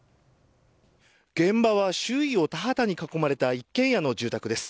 現場は周囲を田畑に囲まれた一軒家の住宅です。